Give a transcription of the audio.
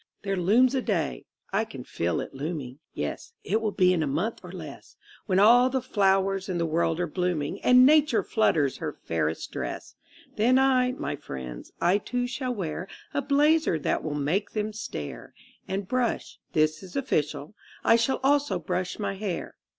There looms a Day (I can feel it looming; Yes, it will be in a month or less), When all the flowers in the world are blooming And Nature flutters her fairest dress Then I, my friends, I too shall wear A blazer that will make them stare, And brush this is official: I shall also brush my hair.